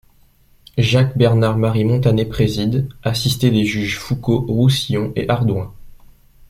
Jacques Bernard Marie Montané préside, assisté des juges Foucault, Roussillon et Ardouin.